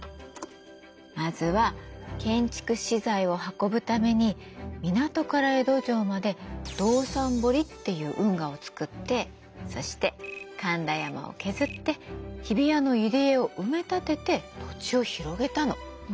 まずは建築資材を運ぶために港から江戸城まで道三堀っていう運河を作ってそして神田山を削って日比谷の入り江を埋め立てて土地を広げたの。